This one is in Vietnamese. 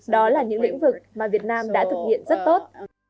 đó là những lĩnh vực mà việt nam đã thực hiện rất tốt